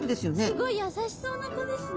すごい優しそうな子ですね。